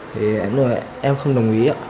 thì em nói em không đồng ý ạ